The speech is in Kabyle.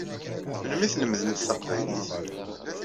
Memli i tlemdemt taqbaylit?